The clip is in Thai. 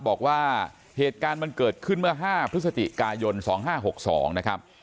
บอกว่าเหตุการณ์มันเกิดขึ้นเมื่อ๕พฤศจิกายน๒๕๖๒นะครับ